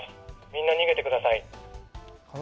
みんな逃げてください。